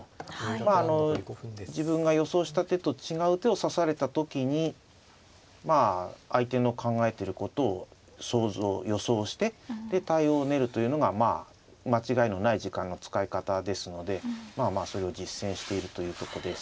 まああの自分が予想した手と違う手を指された時にまあ相手の考えてることを想像予想してで対応を練るというのがまあ間違いのない時間の使い方ですのでそれを実践しているというとこです。